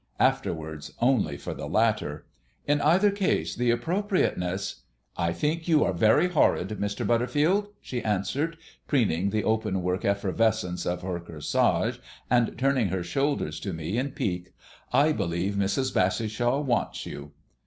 Afterwards, only for the latter. In either case the appropriateness " "I think you are very horrid, Mr. Butterfield," she answered, preening the openwork effervescence of her corsage and turning her shoulders to me in pique. "I believe Mrs. Bassishaw wants you."